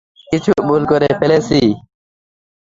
কিছু ভুল করে ফেলেছিলে?